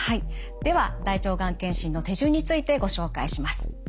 では大腸がん検診の手順についてご紹介します。